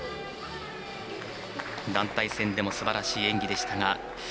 団体戦でもすばらしい演技でしたが。